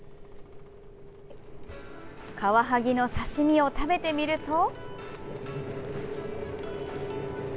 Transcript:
カワハギの刺身を食べてみると。